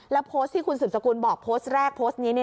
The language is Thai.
แล้วโพสต์ที่คุณสืบสกุลบอกโพสต์แรกโพสต์นี้